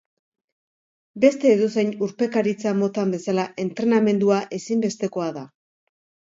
Beste edozein urpekaritza motan bezala entrenamendua ezinbestekoa da.